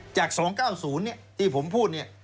จาก๒๙๐ที่ผมพูดเนี่ย